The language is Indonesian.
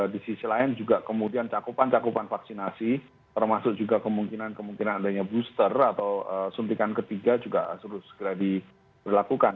di sisi lain juga kemudian cakupan cakupan vaksinasi termasuk juga kemungkinan kemungkinan adanya booster atau suntikan ketiga juga harus segera diberlakukan